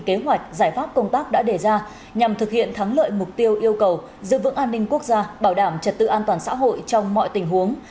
kế hoạch giải pháp công tác đã đề ra nhằm thực hiện thắng lợi mục tiêu yêu cầu giữ vững an ninh quốc gia bảo đảm trật tự an toàn xã hội trong mọi tình huống